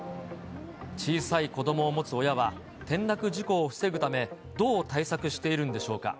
小さい子どもを持つ親は、転落事故を防ぐため、どう対策しているんでしょうか。